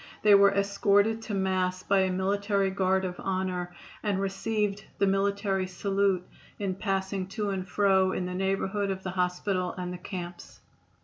They were escorted to Mass by a military guard of honor, and received the military salute in passing to and fro in the neighborhood of the hospital and the camps.